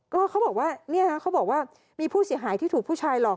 ก็เขาบอกว่าเนี่ยเขาบอกว่ามีผู้เสียหายที่ถูกผู้ชายหลอก